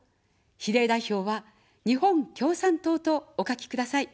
比例代表は、日本共産党とお書きください。